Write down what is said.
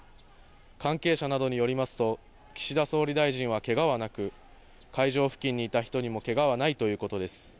関係者などによりますと岸田総理大臣は、けがはなく会場付近にいた人にもけがはないということです。